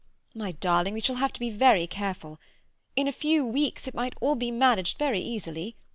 My darling, we shall have to be very careful. In a few weeks it might all be managed very easily.